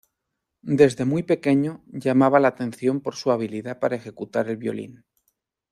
Desde muy pequeño llamaba la atención por su habilidad para ejecutar el violín.